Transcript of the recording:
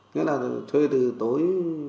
nghĩa là thuê từ tối